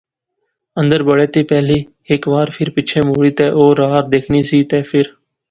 اندر بڑے تھی پہلے ہیک وار فیر پچھے مڑی تہ اورار دیکھنی سی تہ فیر